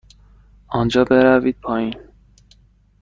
آنجا بروید پایین.